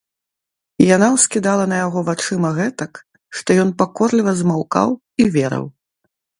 Яна ўскідала на яго вачыма гэтак, што ён пакорліва змаўкаў і верыў.